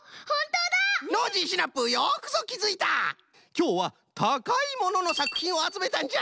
きょうは「たかいもの」のさくひんをあつめたんじゃ！